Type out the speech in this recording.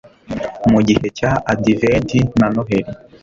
mu gihe cya adiventi na noheli